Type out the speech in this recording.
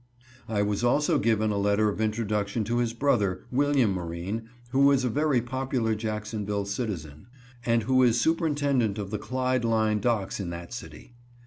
I was also given a letter of introduction to his brother, William Marine, who is a very popular Jacksonville citizen, and who is superintendent of the Clyde Line Docks in that city.